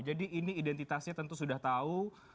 ini identitasnya tentu sudah tahu